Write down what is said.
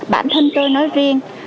bản thân tôi nói riêng